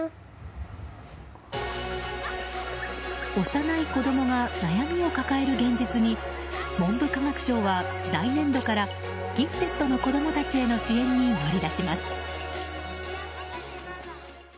幼い子供が悩みを抱える現実に文部科学省は来年度からギフテッドの子供たちへの支援に乗り出します。